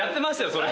それ。